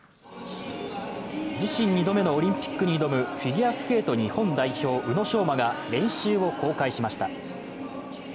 自身２度目のオリンピックに挑むフィギュアスケート日本代表、宇野昌磨が練習を公開しました。